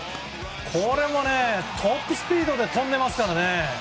これもトップスピードで飛んでますからね。